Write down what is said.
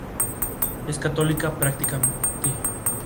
La justicia era impartida por una corte de viejos filibusteros.